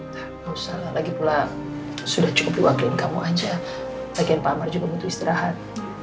tidak usah lah lagipula sudah cukup diwakiliin kamu saja lagian pak amar juga butuh istirahat